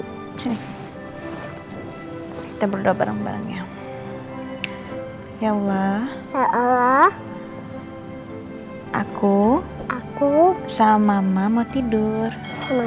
oke kita berdoa bareng bareng ya ya allah ya allah aku aku sama mama mau tidur sebelum